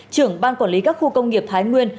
trưởng ban quản lý các khu công nghiệp thái nguyên